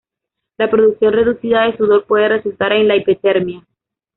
La producción reducida de sudor puede resultar en la hipertermia.